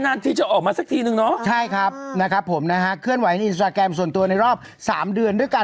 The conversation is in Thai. อ่ะใช่ถูกต้อง